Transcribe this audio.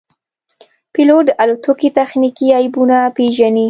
پیلوټ د الوتکې تخنیکي عیبونه پېژني.